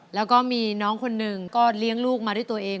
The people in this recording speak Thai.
แล้วก็มีน้องคนหนึ่งก็เลี้ยงลูกมาด้วยตัวเอง